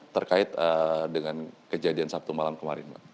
terkait dengan kejadian sabtu malam kemarin